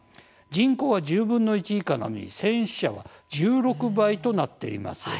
人口は１０分の１以下なのに戦死者は１６倍となっています。